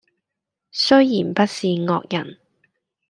雖然不是惡人，